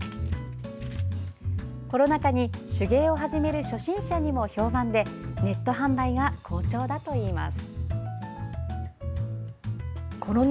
コロナ禍に手芸を始める初心者にも評判でネット販売が好調だといいます。